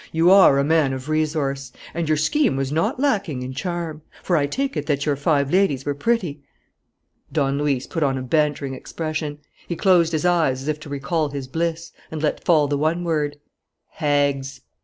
You are a man of resource. And your scheme was not lacking in charm. For I take it that your five ladies were pretty?" Don Luis put on a bantering expression. He closed his eyes, as if to recall his bliss, and let fall the one word: "Hags!"